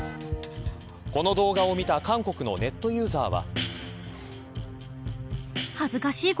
この動画を見た韓国のネットユーザーは。